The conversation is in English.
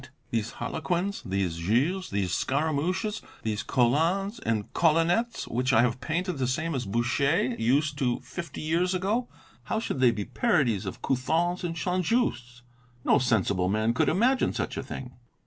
these Harlequins, these Gilles, these Scaramouches, these Colins and Colinettes, which I have painted the same as Boucher used to fifty years ago, how should they be parodies of Couthons and Saint Justs? No sensible man could imagine such a thing."